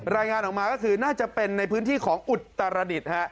รายงานออกมาก็คือน่าจะเป็นในพื้นที่ของอุตรดิษฐ์